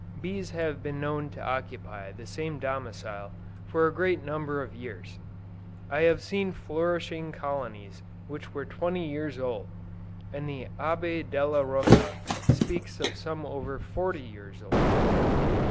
Bees have been known to occupy the same domicile for a great number of years. I have seen flourishing colonies which were twenty years old, and the Abbe Della Rocca speaks of some over forty years old!